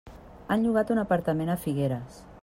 Han llogat un apartament a Figueres.